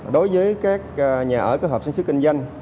đối với các nhà ở kết hợp sản xuất kinh doanh